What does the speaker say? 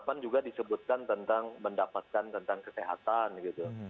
di pasal dua puluh delapan juga disebutkan tentang mendapatkan tentang kesehatan gitu